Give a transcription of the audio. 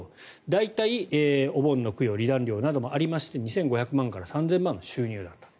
大体、お盆の供養離檀料などもありまして２５００万円から３０００万円の収入だったと。